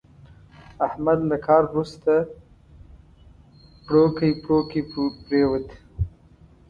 احمد له کار ورسته پړوکی پړوکی پرېوت.